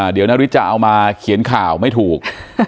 เดี๋ยวนาริสจะเอามาเขียนข่าวไม่ถูก